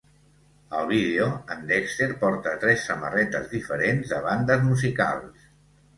Al vídeo, en Dexter porta tres samarretes diferents de bandes musicals.